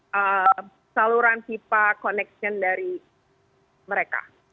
mereka bisa mencari saluran tipe koneksi dari mereka